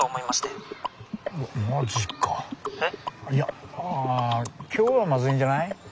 いや今日はまずいんじゃない？